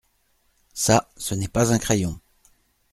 Ça ce n’est pas un crayon.